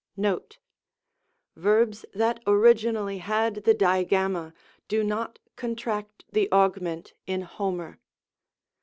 Note. — Verbs that originally had the Digamma, do not contract the augment in Homer.